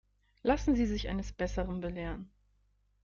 Lassen Sie sich eines Besseren belehren.